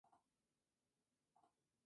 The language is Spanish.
Asistió a la St.